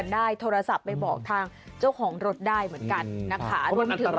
วิทยาลัยศาสตร์อัศวิทยาลัยศาสตร์